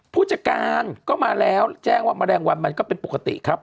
ผู้จัดการก็มาแล้วแจ้งว่าแมลงวันมันก็เป็นปกติครับ